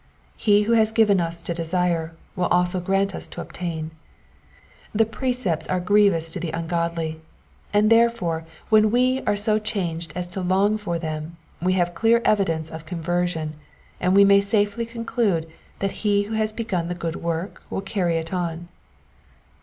He who has given us to desire, will also grant us to obtain. The precepts are grievous to the ungodly, and therefore when we are so changed as to long for them we have clear evidence of conversion, and we may safely conclude that he who has begun the good work will carry it on.